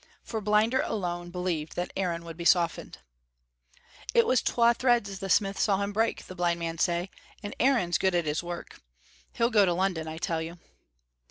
For Blinder alone believed that Aaron would be softened. "It was twa threads the smith saw him break," the blind man said, "and Aaron's good at his work. He'll go to London, I tell you."